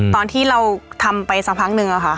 ตอนที่เราทำไปสักพักนึงค่ะ